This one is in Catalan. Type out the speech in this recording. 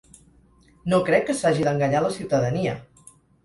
No crec que s’hagi d’enganyar la ciutadania.